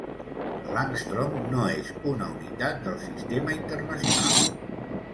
L'àngstrom no és una unitat del Sistema Internacional.